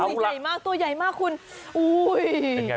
ใหญ่มากตัวใหญ่มากคุณอุ้ย